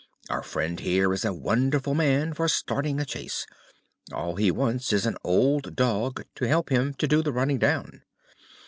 "Our friend here is a wonderful man for starting a chase. All he wants is an old dog to help him to do the running down."